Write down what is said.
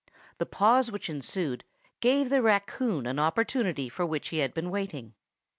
The pause which ensued gave the raccoon an opportunity for which he had been waiting.